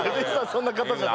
そんな方じゃない。